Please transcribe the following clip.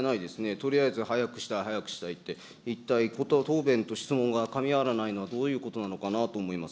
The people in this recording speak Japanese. とりあえず早くしたい、早くしたいって、一体答弁と質問がかみ合わないのはどういうことなのかなと思います。